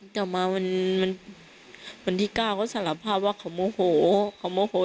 กลับมาวันที่๙เขาสารภาพว่าเขาโมโห